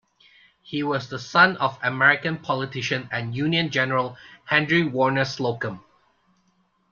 He was the son of the American politician and Union general Henry Warner Slocum.